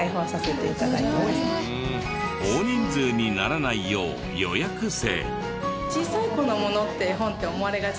大人数にならないよう予約制。